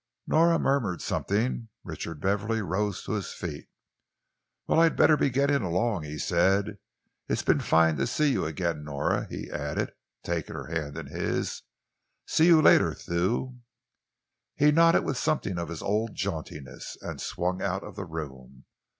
Nora murmured something. Richard Beverley rose to his feet. "Well, I'd better be getting along," he said. "It's been fine to see you again, Nora," he added, taking her hand in his. "See you later, Thew." He nodded with something of his old jauntiness and swung out of the room.